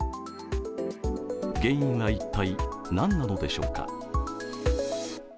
原因は、一体何なのでしょうか。